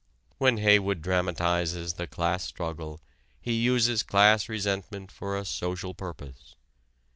When Haywood dramatizes the class struggle he uses class resentment for a social purpose.